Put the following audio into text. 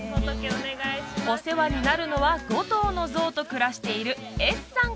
お世話になるのは５頭のゾウと暮らしているエスさん